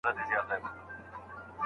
د مالونو واردات مخ په کمېدو دي.